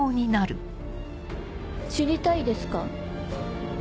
知りたいですか？